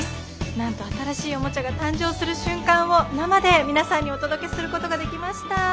なんと新しいおもちゃが誕生する瞬間を生で皆さんにお届けすることができました。